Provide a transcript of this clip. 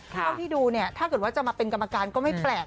เท่าที่ดูเนี่ยถ้าเกิดว่าจะมาเป็นกรรมการก็ไม่แปลก